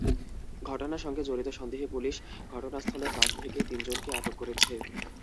ঘটনার সঙ্গে জড়িত সন্দেহে পুলিশ ঘটনাস্থলের কাছ থেকে তিনজনকে আটক করেছে।